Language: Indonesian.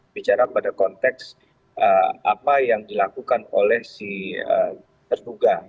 bicara pada konteks apa yang dilakukan oleh si terduga